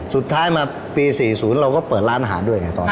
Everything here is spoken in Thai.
สุดท้ายมาปี๔๐เราก็เปิดร้านอาหารด้วยไงตอนนี้